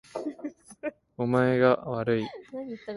お前がわるい